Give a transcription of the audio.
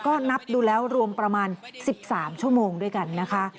ก็นับดูแล้วรวมประมาณ๑๓ชั่วโมงด้วยกันนะคะ